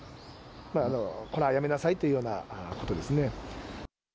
こら、やめなさいというようなことですね。